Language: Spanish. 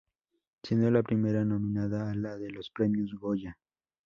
Siendo la primera nominada a la de los Premios Goya.